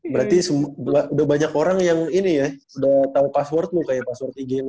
berarti udah banyak orang yang ini ya udah tau password lu kayak password ig lu kayaknya